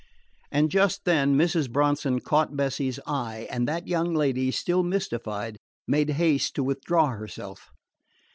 And just then Mrs. Bronson caught Bessie's eye, and that young lady, still mystified, made haste to withdraw herself.